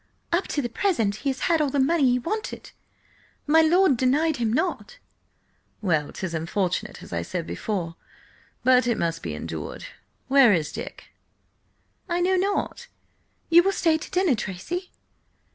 "Up to the present he has had all the money he wanted. My lord denied him nought!" "Well, 'tis unfortunate, as I said before, but it must be endured. Where is Dick?" "I know not. You will stay to dinner, Tracy?"